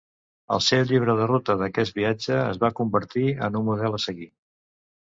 El seu llibre de ruta d'aquest viatge es va convertir en un model a seguir.